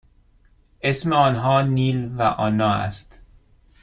اسم آنها نیل و آنا است.